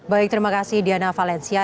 baik terima kasih diana valencia